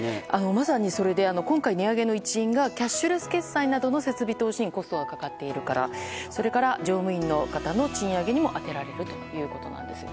まさにそれで今回、値上げの一因がキャッシュレス決済などの設備投資にコストがかかっているからそれから乗務員の方の賃上げにも充てられるということです。